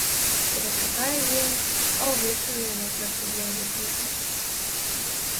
Перачакае дзень, а ўвечары яму працадзень запішуць.